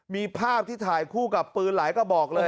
มีภาพที่ถ่ายคู่กับปืนหลายกระบอกเลย